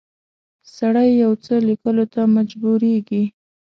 سړی یو څه لیکلو ته مجبوریږي.